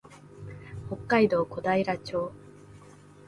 北海道小平町